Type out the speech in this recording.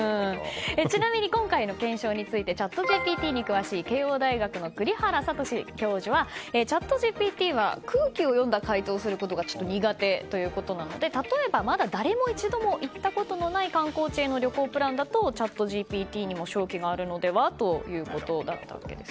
ちなみに今回の検証についてチャットＧＰＴに詳しい慶應大学の栗原聡教授はチャットＧＰＴは空気を読んだ回答をすることがちょっと苦手ということなので例えばまだ誰も一度も行ったことのない観光地への旅行プランならチャットＧＰＴにも勝機があるのではということだそうです。